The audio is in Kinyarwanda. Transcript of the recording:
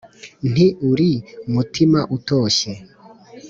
nti "uri mutima utoshye